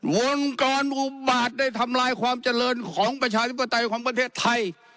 องค์กรอุบาตได้ทำลายความเจริญของประชาธิปไตยของประเทศไทย